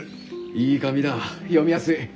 いい紙だ読みやすい。